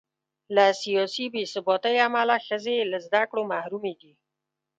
له سیاسي بې ثباتۍ امله ښځې له زده کړو محرومې دي.